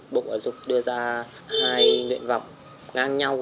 bộ giáo dục đưa ra hai nguyện vọng ngang nhau